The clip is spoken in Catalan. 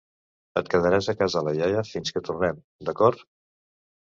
Et quedaràs a casa la iaia fins que tornem, d’acord?